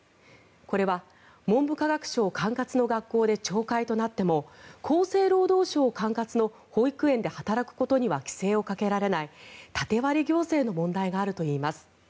これは文部科学省管轄の学校で懲戒となっても厚生労働省管轄の保育園で働くことには規制をかけられない縦割り行政の問題があるといいます。